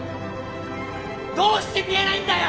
どうして見えないんだよ！